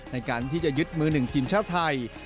ในการที่จะยึดมือหนึ่งทีมชาติไทย